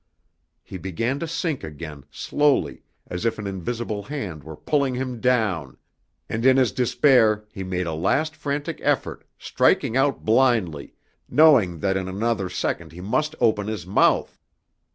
He began to sink again, slowly, as if an invisible hand were pulling him down, and in his despair he made a last frantic effort, striking out blindly, knowing that in another second he must open his mouth.